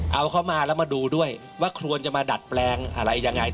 เอาเข้ามาแล้วมาดูด้วยว่าควรจะมาดัดแปลงอะไรยังไง